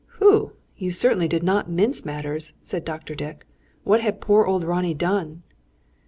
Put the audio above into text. "Whew! You certainly did not mince matters," said Dr. Dick. "What had poor old Ronnie done?"